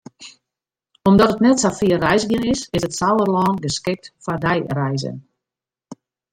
Omdat it net sa fier reizgjen is, is it Sauerlân geskikt foar deireizen.